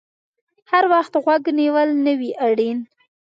هر وخت غوږ نیول نه وي اړین